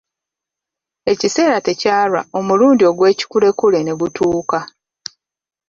Ekiseera tekyalwa omulundi ogw'ekikulekule ne gutuuka.